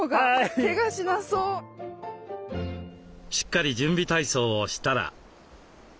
しっかり準備体操をしたら。